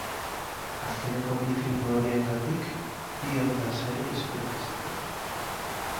Azkeneko bi filma horiengatik bi Onda Sari eskuratu zituen.